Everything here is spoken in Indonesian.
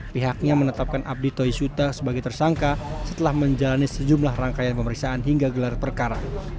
pihaknya menetapkan abdi toisuta sebagai tersangka setelah menjalani sejumlah rangkaian pemeriksaan hingga gelar perkara